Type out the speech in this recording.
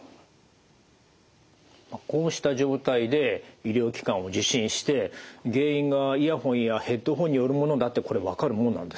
こうした状態で医療機関を受診して原因がイヤホンやヘッドホンによるものだってこれ分かるものなんですか？